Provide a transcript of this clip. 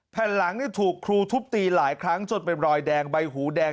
แผ่นหลังถูกครูทุบตีหลายครั้งจนเป็นรอยแดงใบหูแดง